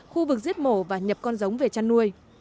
khu vực giết mổ và nhập con giống về chăn nuôi